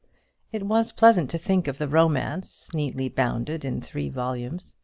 It was pleasant to think of the romance, neatly bound in three volumes.